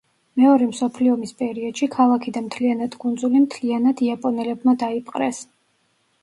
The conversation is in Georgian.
მეორე მსოფლიო ომის პერიოდში ქალაქი და მთლიანად კუნძული მთლიანად იაპონელებმა დაიპყრეს.